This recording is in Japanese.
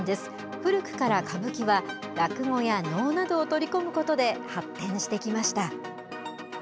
古くから歌舞伎は落語や能などを取り込むことで発展してきました。